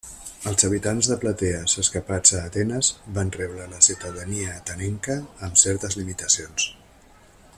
Els habitants de Platees escapats a Atenes van rebre la ciutadania atenenca amb certes limitacions.